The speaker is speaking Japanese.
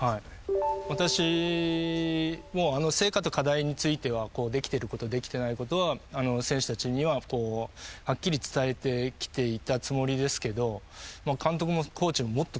私も成果と課題についてはできてることできてないことは選手たちにははっきり伝えてきていたつもりですけど監督もコーチももっときつく言ってほしいと。